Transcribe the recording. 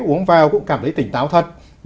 uống vào cũng cảm thấy tỉnh táo thật